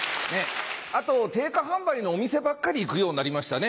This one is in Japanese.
あと定価販売のお店ばっかり行くようになりましたね。